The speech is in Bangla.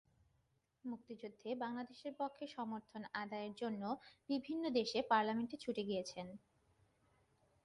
মুক্তিযুদ্ধে বাংলাদেশের পক্ষে সমর্থন আদায়ের জন্য বিভিন্ন দেশের পার্লামেন্টে ছুটে গিয়েছেন।